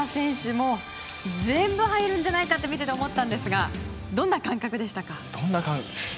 もう全部入るんじゃないかって見てて思ったんですがどんな感覚でしたか？